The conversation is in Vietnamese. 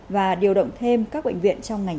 và điều động thêm các bệnh viện trong ngành y tế